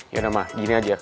ya udah ma gini aja